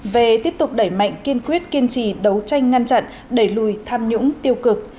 về tiếp tục đẩy mạnh kiên quyết kiên trì đấu tranh ngăn chặn đẩy lùi tham nhũng tiêu cực